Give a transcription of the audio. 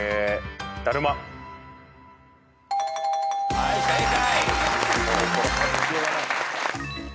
はい正解。